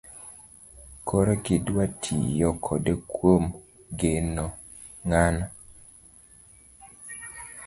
Koro gidwa tiyo kode kuom nego ng'ano